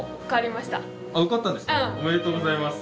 おめでとうございます。